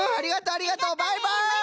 ありがとねバイバイ！